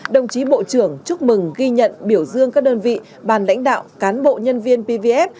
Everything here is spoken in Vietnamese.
đồng chí bộ trưởng chúc mừng ghi nhận biểu dương các đơn vị bàn lãnh đạo cán bộ nhân viên pvf